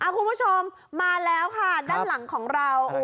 คุณผู้ชมมาแล้วค่ะด้านหลังของเรา